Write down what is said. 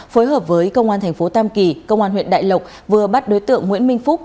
phối hợp với công an thành phố tam kỳ công an huyện đại lộc vừa bắt đối tượng nguyễn minh phúc